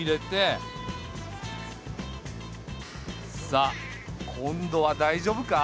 さあ今度は大丈夫か？